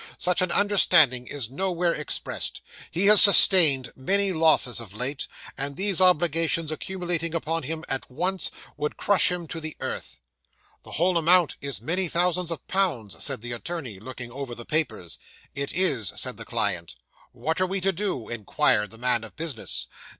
Such an understanding is nowhere expressed. He has sustained many losses of late; and these obligations accumulating upon him at once, would crush him to the earth." '"The whole amount is many thousands of pounds," said the attorney, looking over the papers. '"It is," said the client. '"What are we to do?" inquired the man of business.